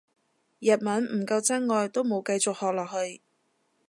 日文唔夠真愛都冇繼續學落去